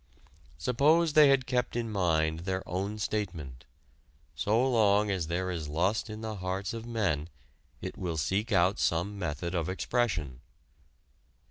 Suppose they had kept in mind their own statement: "so long as there is lust in the hearts of men it will seek out some method of expression."